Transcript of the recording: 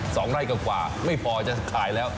สองไร่กว่ากว่าไม่พอจะขายแล้ว